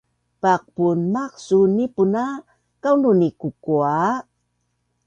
paqpun maaq suu nipuna kaunun i kukua